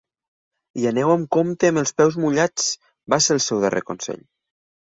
I aneu amb compte amb els peus mullats, va ser el seu darrer consell.